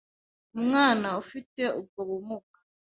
umwana ufite ubwo bumuga